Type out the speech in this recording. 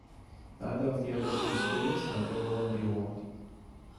Neither of the other two schools have ever won the award.